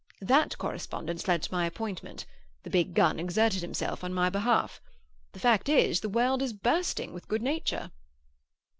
That correspondence led to my appointment; the Big Gun exerted himself on my behalf. The fact is, the world is bursting with good nature."